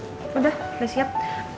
udah udah siap